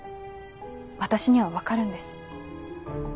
私には分かるんです。